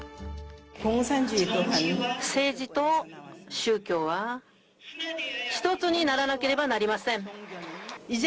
政治と宗教は、一つにならなければなりません。